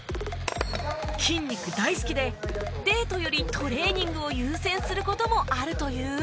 筋肉大好きでデートよりトレーニングを優先する事もあるという